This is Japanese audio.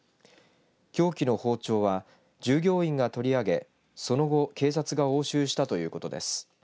凶器の包丁は従業員が取り上げその後警察が押収したということです。